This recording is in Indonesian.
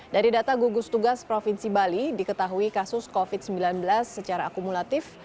dari data gugus tugas provinsi bali diketahui kasus covid sembilan belas secara akumulatif